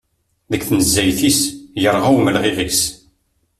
Deg tnezzayt-is, yerɣa umelɣiɣ-is.